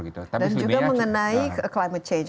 dan juga mengenai climate change